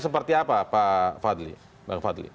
seperti apa pak fadli